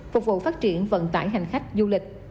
phục vụ phát triển vận tải hành khách du lịch